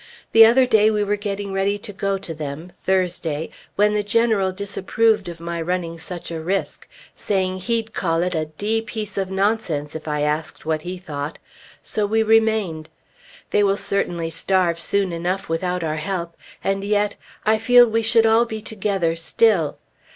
The other day we were getting ready to go to them (Thursday) when the General disapproved of my running such a risk, saying he'd call it a d piece of nonsense, if I asked what he thought; so we remained. They will certainly starve soon enough without our help; and yet I feel we should all be together still.